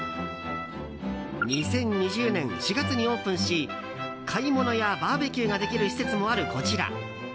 ２０２０年４月にオープンし買い物やバーベキューができる施設もあるこちら。